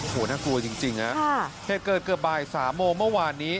โหน่ากลัวจริงจริงอ่ะค่ะเฮตเกิดเกือบบ่ายสามโมงเมื่อวานนี้